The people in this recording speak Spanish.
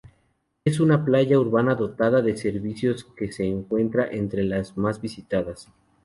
Es una playa urbana dotada de servicios que se encuentra entre las más visitadas.